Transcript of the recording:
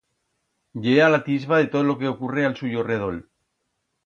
Ye a l'atisba de tot lo que ocurre a'l suyo redol.